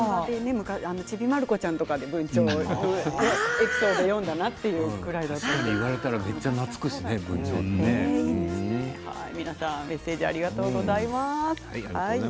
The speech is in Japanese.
「ちびまる子ちゃん」とかで文鳥いたな読んだなとかそんなぐらいで皆さんメッセージありがとうございます。